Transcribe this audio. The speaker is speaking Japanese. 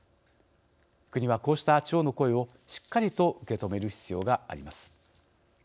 国は、こうした地方の声をしっかりと受け止める必要があります。